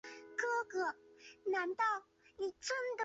一个产品的定位是潜在购买者如何看待该产品。